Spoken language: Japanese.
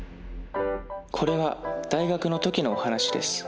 これは大学の時のお話です